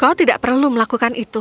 kau tidak perlu melakukan itu